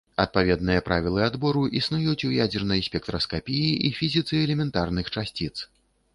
Адпаведныя правілы адбору існуюць у ядзернай спектраскапіі і фізіцы элементарных часціц.